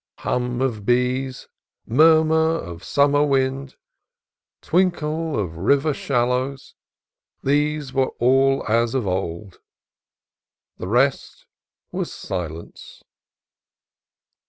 Hum of bees, murmur of summer wind, twinkle of river shallows, these were all as of old. The rest was silence.